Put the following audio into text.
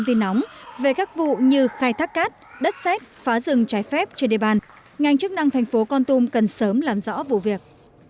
tin nóng về các vụ như khai thác cát đất xét phá rừng trái phép trên địa bàn ngành chức năng thành phố con tum cần sớm làm rõ vụ việc